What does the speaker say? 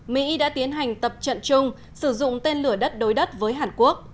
mỹ đã tiến hành tập trận chung sử dụng tên lửa đất đối đất với hàn quốc